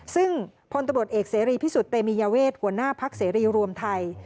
ซึ่งพลตำรวจเอกเสรีพิสุทธิเตมียเวทหัวหน้าพักเสรีรวมไทย